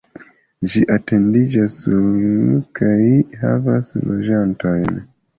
Ĝi etendiĝas sur kaj havas loĝantojn.